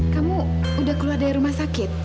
kamu udah keluar dari rumah sakit